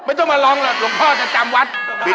ไม่ต้องมาลองหรอกหลวงพ่อจะจำวัด